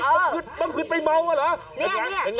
ตื่นเลยตื่นเลยเอาคือเครื่องไปเบาน่ะหรอ